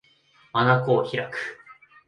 眼を開く